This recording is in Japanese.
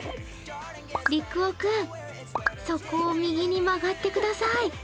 リクオ君、そこを右に曲がってください。